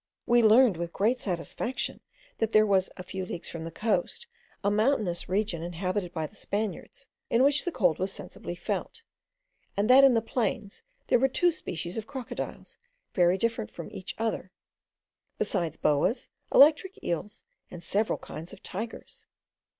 We learned with great satisfaction that there was, a few leagues from the coast, a mountainous region inhabited by the Spaniards, in which the cold was sensibly felt; and that in the plains there were two species of crocodiles, very different from each other, besides, boas, electric eels, and several kinds of tigers.